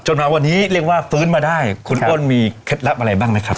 มาวันนี้เรียกว่าฟื้นมาได้คุณอ้นมีเคล็ดลับอะไรบ้างนะครับ